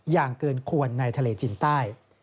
อย่างเกินควรในทะเลจินใต้